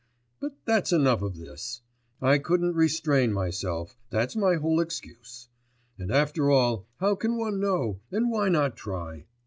But that's enough of this. I couldn't restrain myself, that's my whole excuse. And after all how can one know, and why not try?